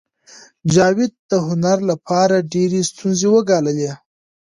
جاوید د هنر لپاره ډېرې ستونزې وګاللې